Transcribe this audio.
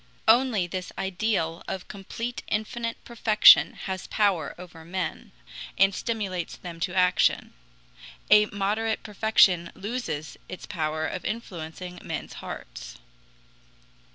Only this ideal of complete infinite perfection has power over men, and stimulates them to action. A moderate perfection loses its power of influencing men's hearts.